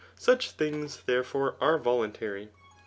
Such things, therefore, are voluntary.